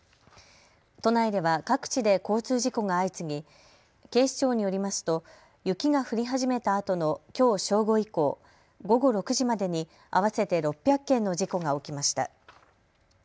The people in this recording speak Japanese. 都内では各地で交通事故が相次ぎ、警視庁によりますと雪が降り始めたあとのきょう正午以降、午後６時までに合わせて６００件の事故が起きました。